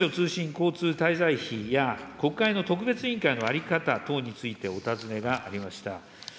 文書通信交通滞在費や、国会の特別委員会の在り方等について、お尋ねがありました。